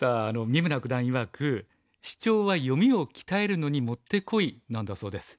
三村九段いわくシチョウは読みを鍛えるのにもってこいなんだそうです。